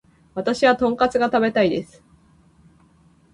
私はトンカツが食べたいです